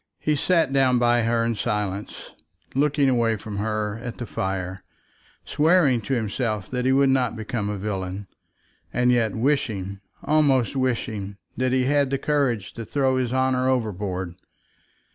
He sat down by her in silence, looking away from her at the fire, swearing to himself that he would not become a villain, and yet wishing, almost wishing, that he had the courage to throw his honour overboard.